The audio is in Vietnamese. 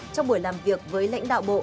trong buổi làm việc với lãnh đạo bộ